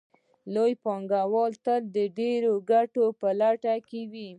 لوی پانګوال تل د ډېرې ګټې په لټه کې وي